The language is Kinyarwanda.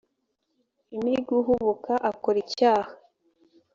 img uhubuka akora icyaha